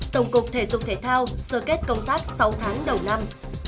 tổng cục thể dục thể thao sơ kết công tác sáu tháng đầu năm